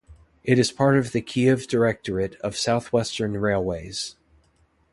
It is part of the Kyiv Directorate of Southwestern Railways.